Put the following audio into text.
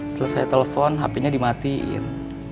setelah saya telepon hp nya dimatiin